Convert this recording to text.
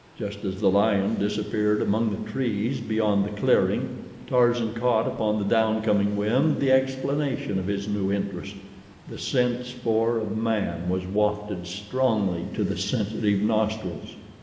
Just as the lion disappeared among the trees beyond the clearing Tarzan caught upon the down coming wind the explanation of his new interest—the scent spoor of man was wafted strongly to the sensitive nostrils.